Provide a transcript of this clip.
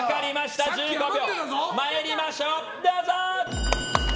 参りましょう、どうぞ！